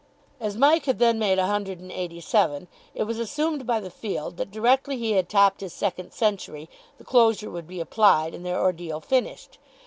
As Mike had then made a hundred and eighty seven, it was assumed by the field, that directly he had topped his second century, the closure would be applied and their ordeal finished.